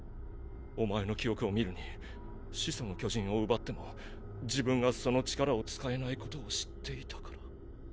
お前の記憶を見るに始祖の巨人を奪っても自分がその力を使えないことを知っていたから。